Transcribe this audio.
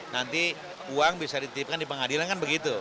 nanti uang bisa dititipkan di pengadilan kan begitu